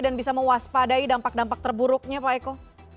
dan bisa mewaspadai dampak dampak terburuknya pak eko